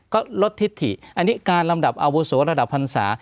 ก็ลดทิศถิอันนี้การลำดับอาวุโสระดับพันศา